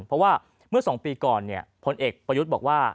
เพราะว่าเมื่อ๒ปีก่อนพลเอกประยุทธ์บอกว่า